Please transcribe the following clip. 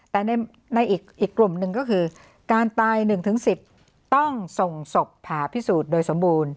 แต่ในในอีกอีกกลุ่มหนึ่งก็คือการตายหนึ่งถึงสิบต้องส่งศพผ่าพิสูจน์โดยสมบูรณ์